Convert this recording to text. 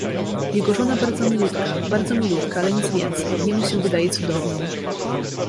"Jego żona bardzo milutka, bardzo milutka, ale nic więcej... Jemu się wydaje cudowną."